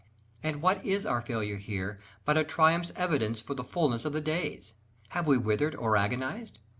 And what is our failure here but a triumph's evidence For the fulness of the days? Have we withered or agonized?